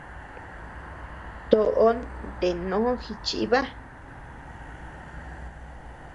Toʼon nde no jichiba.